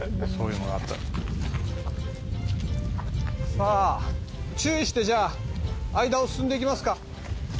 さあ注意してじゃあ間を進んでいきますか。